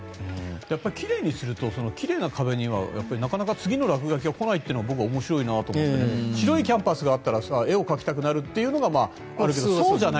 奇麗にすると奇麗な壁には次の落書きが来ないというのは僕、面白いなと思って白いキャンパスがあったら絵を描きたくなるというのがあるけど、そうじゃない。